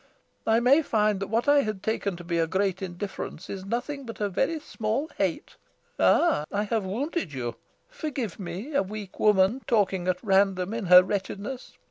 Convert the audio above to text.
I may find that what I had taken to be a great indifference is nothing but a very small hate... Ah, I have wounded you? Forgive me, a weak woman, talking at random in her wretchedness.